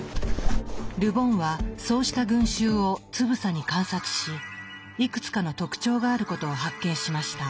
ル・ボンはそうした群衆をつぶさに観察しいくつかの特徴があることを発見しました。